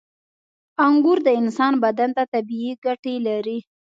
• انګور د انسان بدن ته طبیعي ګټې لري.